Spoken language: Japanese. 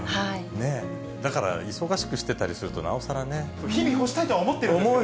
だから忙しくしてたりすると、日々、干したいと思っているんですけれども。